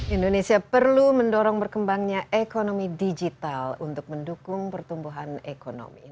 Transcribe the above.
indonesia perlu mendorong berkembangnya ekonomi digital untuk mendukung pertumbuhan ekonomi